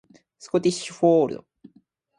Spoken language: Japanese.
スコティッシュフォールド